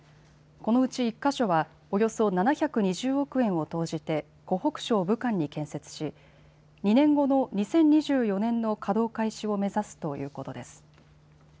このうち１か所は、およそ７２０億円を投じて湖北省武漢に建設し２年後の２０２４年の稼働開始を目指すということです。